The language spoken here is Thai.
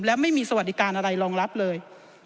และไม่มีสวัสดิการอะไรรองรับเลย